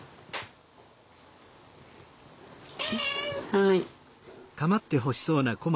はい。